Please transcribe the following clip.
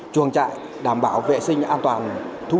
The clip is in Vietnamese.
chuồng trại đảm bảo vệ sinh an toàn sinh học